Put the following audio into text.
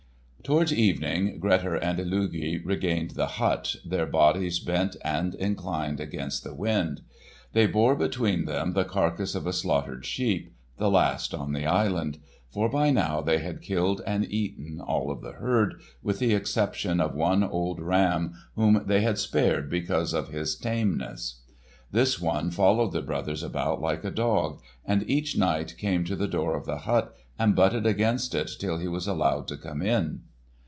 Towards evening Grettir and Illugi regained the hut, their bodies bent and inclined against the wind. They bore between them the carcass of a slaughtered sheep, the last on the island, for by now they had killed and eaten all of the herd, with the exception of one old ram, whom they had spared because of his tameness. This one followed the brothers about like a dog, and each night came to the door of the hut and butted against it till he was allowed to come in.